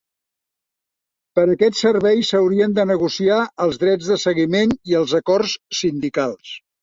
Per a aquest servei s'haurien de negociar els drets de seguiment i els acords sindicals.